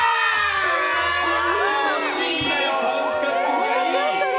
もうちょっとだ。